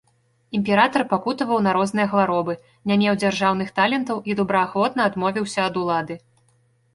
Імператар пакутаваў на розныя хваробы, не меў дзяржаўных талентаў і добраахвотна адмовіўся ад улады.